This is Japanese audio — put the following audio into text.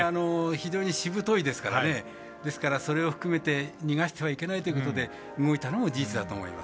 非常にしぶといですからねですから、それも含めて逃がしちゃいけないと動いたのも事実だと思います。